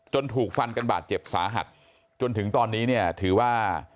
ถูกฟันกันบาดเจ็บสาหัสจนถึงตอนนี้เนี่ยถือว่า